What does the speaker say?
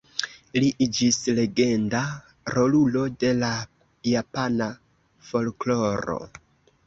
Li iĝis legenda rolulo de la japana folkloro.